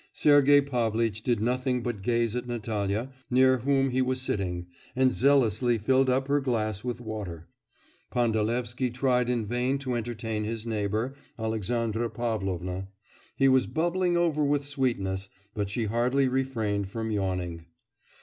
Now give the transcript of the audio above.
Sergei Pavlitch did nothing but gaze at Natalya, near whom he was sitting, and zealously filled up her glass with water. Pandalevsky tried in vain to entertain his neighbour, Alexandra Pavlovna; he was bubbling over with sweetness, but she hardly refrained from yawning.